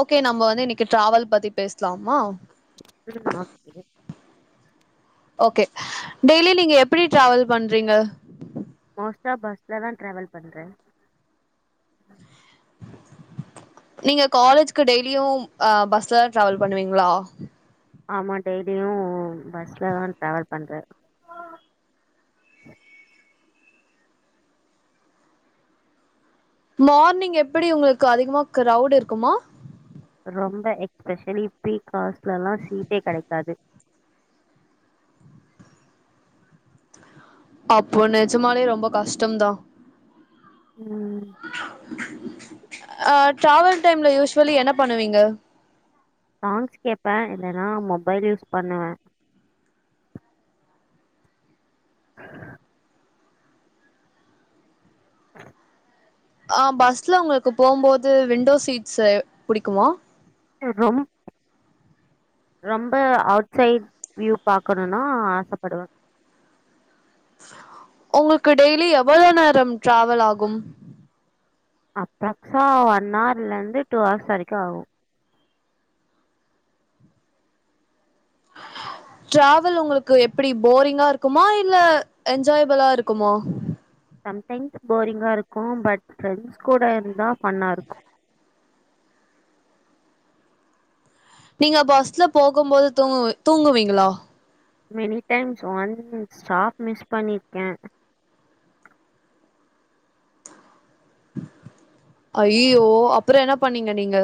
okay நம்ம வந்து இன்னைக்கு டிராவல் பத்தி பேசலாமா ம் ஓகே டெய்லி நீங்க எப்படி டிராவல் பண்றீங்க நான் பஸ்லதான் டிரவல் பண்றேன் நீங்க காலேஜ்கு டெய்லியும் பஸ்ல ட்ராவல் பண்ணுவீங்களா ஆமா டெய்லியும் பஸ்லதான் டிராவல் பண்றே மார்னிங் எப்படி உங்களுக்கு அதிகமா கிரவுட் இருக்குமா ரொம்ப எக் ஸ்பெஷலி ஃபீக்கவர்ஸ்ல எல்லாம் சீட்டே கிடைக்காது அப்போ நிஜமாலையே ரொம்ப கஷ்டம்தான் உம் அ டிராவல் டைம்ல யூஸ்வலி என்ன பண்ணுவீங்க சாங்ஸ் கேப்பேன் இல்லைன்னா மொபைல் யூஸ் பண்ணுவேன் [unintelligible] ஆஹ [unintelligible] ஆஹ் பஸ்ல உங்களுக்கு போகும்போது விண்டோ சீட்ஸ் புடிக்குமா ரொ ரொம்ப அவுட் சைட் வியூ பாக்கணும்னா ஆசைப்படுவேன் உங்களுக்கு டெய்லி எவ்வளவு நேரம் டிராவல் ஆகும் அப்ரஸா ஒன் ஹவர்ல இருந்து டூ ஹவர்ஸ் வரைக்கும் ஆகும் டிராவல் உங்களுக்கு எப்படி போரிங்கா இருக்குமா இல்ல என்ஜாய்பலா இருக்குமா சம்டைம்ஸ் போரிங்கா இருக்கு பட் ஃப்ரெண்ட்ஸ் கூட இருந்தா ஃபன்னா இருக்கு நீங்க பஸ்ல போகும்போது தூங்கு தூங்குவீங்ளா many times one stop miss பண்ணிருக்கே ஐயய்யோ அப்பறம் என்ன பண்ணீங்க நீங்க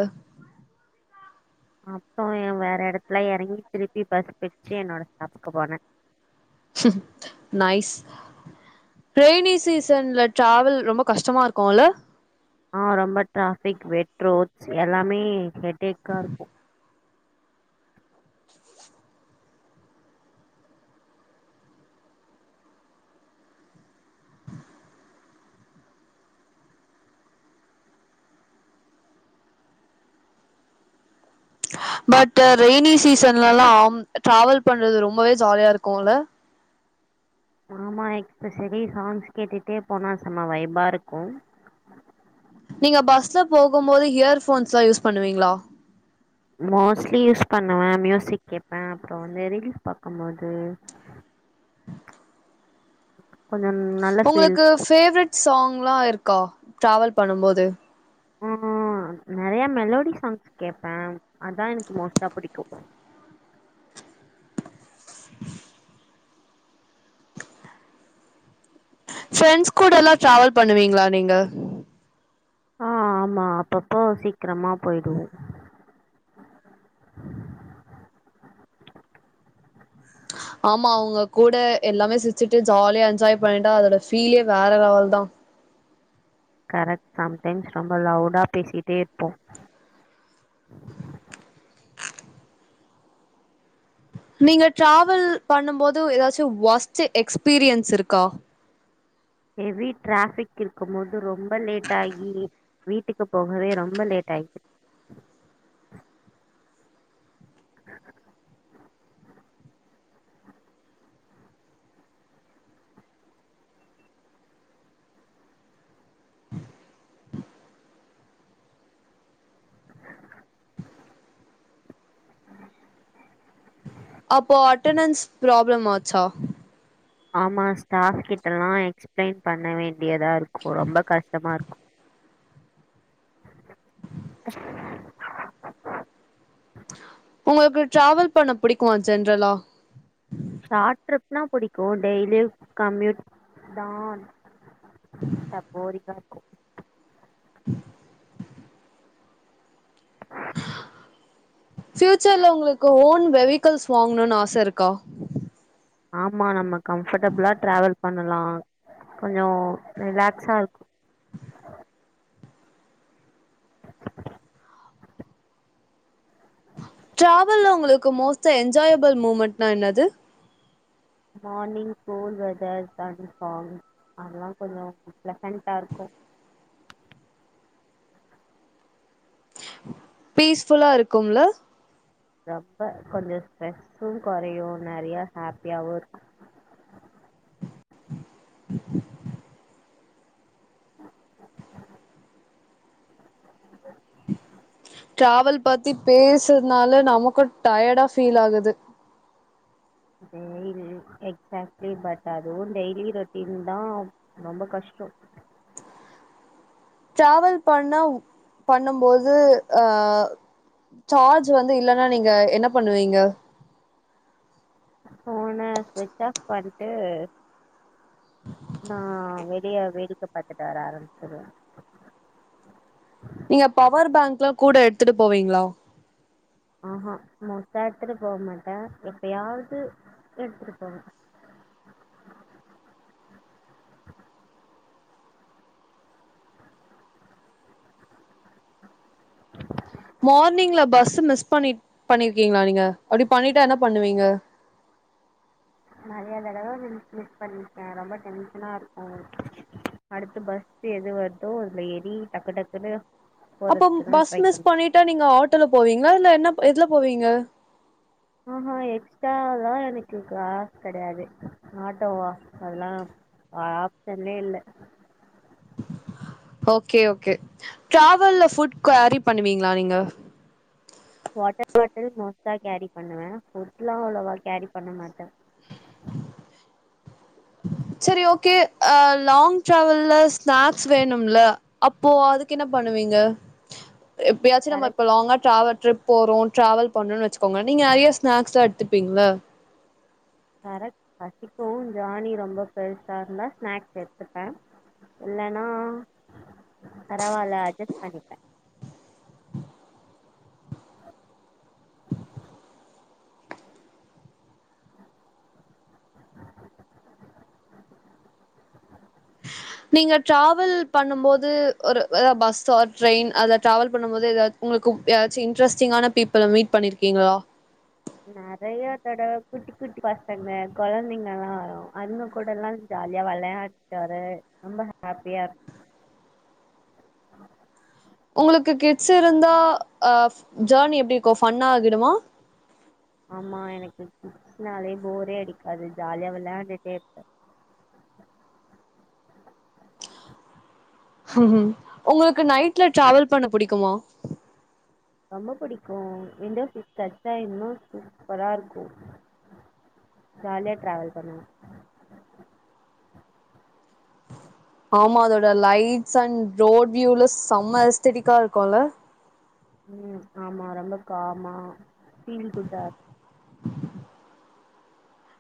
அப்றோ வேற எடத்துல எறங்கி திருப்பி பஸ் புடிச்சி என்னோட ஸ்டாப்புக்கு போனே நைஸ் ரைனி சீசன்ல டிராவல் ரொம்ப கஷ்டமா இருக்குல்ல ஆ ரொம்ப டிராபிக் வெட் ரோட்ஸ் எல்லாமே ஹெட்டேக்கா இருக்கு பட் ரெய்னி சீசன்லல்லாம் டிராவல் பண்றது ரொம்பவே ஜாலியா இருக்கும்ல ஆமா எக்ஸ்பெசலி சாங்ஸ் கேட்டுட்டே போனா செம்ம வைபா இருக்கு நீங்க பஸ்ல போகும்போது இயர் ஃபோன்ஸ்லா யூஸ் பண்ணுவீங்ளா மோஸ்ட்லி யூஸ் பண்ணுவே மியூசிக் கேட்பே அப்பறம் வந்து ரீல்ஸ் பாக்கும்போது [inaudible] நல்ல ஃபீல் உங்ளுக்கு இருக்கும் ஃபேவரட் சாங் ங்கலா இருக்கா ட்ராவல் பண்ணும் போது ம் ஹூம் நெறைய மெலோடி சாங்ஸ் கேட்ப அதா எனக்கு மோஸ்ட்டா புடிக்கு ஃபிரெண்ட்ஸ் கூடலா டிராவல் பண்ணுவீங்ளா நீங்க ஆ ஆமா அப்பப்போ சீக்ரமா போய்டுவோ ஆமா அவுங்க கூட எல்லாமே சிர்ச்சிட்டு ஜாலியா என்ஜாய் பண்ட்டா அதோட ஃபீலே வேற லெவல் தா கரெட் சம்டைம்ஸ் ரொம்ப லவுடா பேசிட்டே இருப்போ நீங்க ட்ராவல் பண்ணும் போது ஏதாச்சும் ஒஸ்ட் எக்ஸ்பீரியன்ஸ் இருக்கா ஹெவி ட்ராஃபிக் இருக்கும் போது து ரொம்ப லேட்டாகி வீட்டுக்கு போகவே ரொம்ப லேட் ஆய் அப்போ அட்டனன்ஸ் பிராப்ளம் ஆச்சா ஆமா ஸ்டாஃப் கிட்டல்லா எக்ஸ்ப்லைன் பண்ணவே அப்டியதா இருக்கு ரொம்ப கஷ்டமா இருக்கு உங்குள்க்கு ட்ராவல் பண்ண பிடிக்குமா ஜென்ரலா ஷார்ட் ட்ரிப்னா புடிக்கு டெய்லியு கம்யூட் தான் [unintelligible] ப்ஃயூச்சர்ல உங்ளுக் ஓன் வெவிகல்ஸ் வாங்கன்னு ஆச ருக்கா ஆமா நம்மக் கம்பஃர்டபுளா ட்ராவல் பண்ண லா கொஞ்சோ ரிலாக்ஸா ட்ராவல்ல உங்ளுக்கு மோஸ்ட் என்ஜாயபள் மூமெண்ட் நா என்னது மார்னிங் கூல் வெதர் கன்பார்ம் அதெல்லா கொஞ்சோ ப்ளசண்டா ருக்கும் பீஸ்புஃல்லா இருக்கும்ல ரொம்ப கொஞ்சோ ட்ரெஸ்ஸும் கொறையு நெறைய ஹாப்யாவுர்க் ட்ராவல் பத்தி பேஸ்னால நமக்கும் டயடா ஃபீல் ஆகுது டெய்லியு எக்ஸ்ஆக்ட்லி பட் அதுவு டெய்லி ரோட்டின்தா ரொம்ப கஷ்டோ ட்ராவல் பண்ணா பண்ணும்போது அ சார்ஜ் வந்து இல்லன்னா நீங்க என்ன பண்ணுவீங்க ஃபோன ஸ்விட்ச் ஆஃப் பண்ட்டு ஆ வெளிய வேடிக்க பாத்துட் வர ஆரம்பிச்சிடுவ நீங்க பவர் பேங்க் லாம் கூட எடுத்துட் போவீங்ளா ஆ அ மொத்த எடுத்துட் போவ் மாட்ட எப்யாவ்து எட்த்துட் போவே மார்னிங்ல பஸ் மிஸ் பண்ணி பண்ணிர்கீங்ளா நீங்க அப்டி பண்ணிட்டா என்ன பண்ணுவீங்க நெறைய தடவ மிஸ் மிஸ் பண்ணிர்க்கன் ரொம்ப டென்ஷனா ருக்கும் அடுத்து பஸ் எது வர்தோ அதுல எறி டக்கு டக்குனு அப்போம் பஸ் மிஸ் பண்ணிட்டா நீங்க ஆட்டோல போவீங்லா இல்ல என்னப் எதுலப் போவீங்க அஆ எக்ஸ்ட்டாலா எனக்கு காஸ் கெடையாது ஆட்டோவா அதெல்லா ஆப்ஷன்லே இல்ல ஓகே ஓகே ட்ராவல்ல புட் கேரி பண்ணுவீங்ளா நீங்க வாட்டர் பாட்டில் மோஸ்ட்டா கேரி பண்ணுவே புட்ஸ்லாம் அவ்ளோவா கேரி பண்ண மாட்ட செரி ஓகே ஆ லாங் டிராவல்ல ஸ்நாக்ஸ் வேணும்ல அப்போ அதுக்கு என்ன பண்ணுவீங்க எப்யாச்சி நம்ம கரெக்ட் இப்ப லாங்கா ட்ராவட் ட்ரிப் போறா ட்ராவல் பண்றோன்னு வச்சிக்கோங்க நீங்க நறைய ஸ்னாக்ஸலா எடுத்துப்பீங்ள கரெக்ட் பசிக்கு ஜார்னி ரொம்ப பெருசா இருந்தா ஸ்நாக்ஸ் எடுத்துப்பே இல்லனா பரவால்ல அட்ஜஸ்ட் பண்ணிப்பே நீங்க ட்ராவல் பண்ணும் போது ஒரு அது பஸ் ஆர் ட்ரெயின் அதுல டிராவல் பண்ணும் போது எதாது உங்ளுக்கு எதாச்சி இன்ட்ரெஸ்டிங்கான பீப்பிள்ல மீட் பண்ணிருக்கீங்ளா நறைய தடவ குட்டி குட்டி பசங்க கெழந்தைங்கலா வரு அதுங்க கூடலா ஜாலியா வெளையாட்டு வர ரொம்ப ஹாப்பியா இருக்கு உங்களுக்கு கிட்ஸ் இருந்தா அ ஜர்னி எப்டி இருக்கு ஃபன்னா ஆகிடுமா ஆமா எனக்கு கிட்ஸ்னாலே போரே அடிக்காது ஜாலியா விளயாண்டுட்டே இருப்பே உங்களுக்கு நைட்ல டிராவல் பண்ண புடிக்குமா ரொம்ப புடிக்கு விண்டோ சீட் கெடச்சா இன்னு சூப்பரா இருக்கு ஜாலியா டிராவல் பண்ணலா ஆமா அதோட லைட்ஸ் அண்ட் ரோட் வியூல செம்ம ஏஸ்தடிக்கா இருக்குல்ல ம் ஆமா ரொம்ப காமா ஃபீல் குட்டா இருக்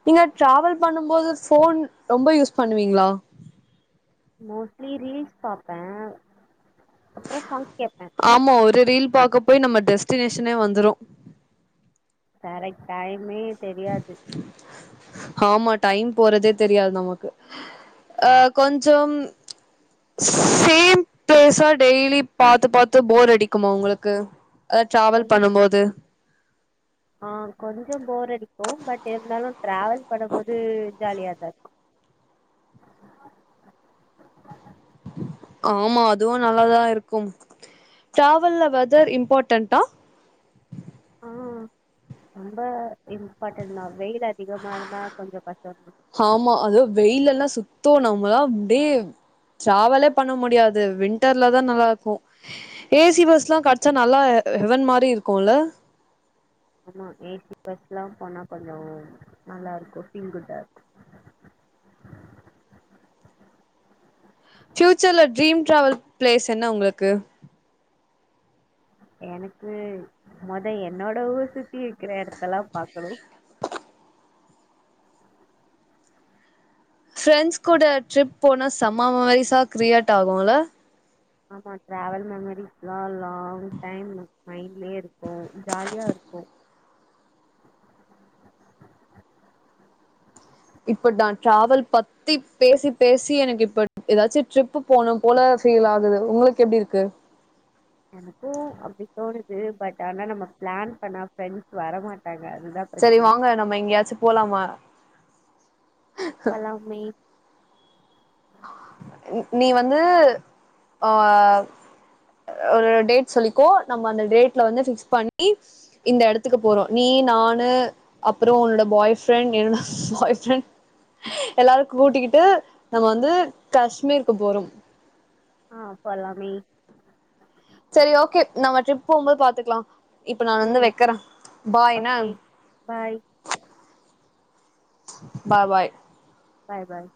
நீங்க டிராவல் பண்ணும் போது ஃபோன் ரொம்ப யூஸ் பண்ணுவீங்ளா மோஸ்ட்லி ரீல்ஸ் பாப்ப அப்பற சாங்ஸ் கேப்பே ரு ரீல் பாக்க போய் நம்ம டெஸ்டினேஷனே வந்துரு கரெக்ட் டைம் மே தெரியாது ஆமா டைம் போறதே தெரியாது நமக்கு அ கொஞ்சம் சேம் பிளேஸா டெய்லி பாத்து பாத்து போர் அடிக்குமா உங்களுக்கு அ ட்ராவல் கொஞ் பண்ணும் போது ஆ கொஞ்சோ போர் இருக்கு பட் இருந்தாலு டிராவல் பண்ணும் போது ஜாலியாதா இருக்கு ஆமா அதுவு நல்லாதா இருக்கு டிராவல்ல வெதர் இம்பாடண்ட்டா ஆ ரொம்ப இம்பாடண்ட்தா வெயில் அதிகமா இருந்தா கொஞ்சோ கஷ்டோந்தா த்தோ நம்மல்லா அப்டியே ட்ராவலே பண்ண முடியாது வின்டர்லதா நல்லா இருக்கு ஏசி பஸ்லா கெடச்சா நல்லா ஹெவன் மாரி இருக்கு இல்ல ஆமா ஏசி பஸ் எல்லா போனா கொஞ்சோ நல்லா இருக்கு ஃபீல் குட்டா இருக்கு ஃபயூச்சர்ல ட்ரீம் டிராவல் பிளேஸ் என்ன உங்ளுக்கு எனக்கு மொத என்னோட ஊர் சுத்தி இருக்ற எடத்தல்லா பாக்கணும் ஃபரெண்ட்ஸ் கூட ட்ரிப் போன செம்ம மெமரிஸா கிரியேட் ஆகும்ல ஆமா ட்ராவல் மெமரிஸ்லா லாங் டைம் மைண்ட்லயே இருக்கும் ஜாலியா இருக்கு இப்ப டா டிராவல் பத்தி பேசி பேசி எனக்கு இப்ப ஏதாச்சும் ட்ரிப்பு போனோம் போல ஃபீல் ஆகுது உங்களுக்கு எப்படி இருக்கு எனக்கும் அப்படி தோணுது பட் ஆனா நம்ம பிளான் பண்ணா ப்ரெண்ட்ஸ் வர மாட்டாங்க அதுதான் சரி பிரச்சனை வாங்க நம்ம எங்கயாச்சும் போலாமா போலாமே நீ வந்து ஆ ஒரு டேட் சொல்லிக்கோ நம்ம அந்த டேட்ல வந்து பிக்ஸ் பண்ணி இந்த எடத்துக்கு போறோ நீ நானு அப்றம் உன்னோட பாய் ஃப்ரெண்ட் என்னோட பாய் ஃப்ரெண்ட் எல்லாரும் கூட்டிக்கிட்டு நம்ம வந்து காஷ்மீருக்கு போறோ ஆ போலாமே சரி ஓகே நம்ம ட்ரிப் போம்போது பாத்துக்கலா இப்ப நா வந்து ம் வெக்கறே பாய் என்ன okay bye bye bye bye பாய்